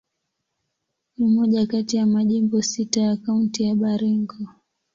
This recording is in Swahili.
Ni moja kati ya majimbo sita ya Kaunti ya Baringo.